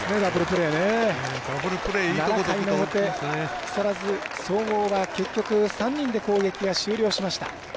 木更津総合は結局３人で攻撃が終了しました。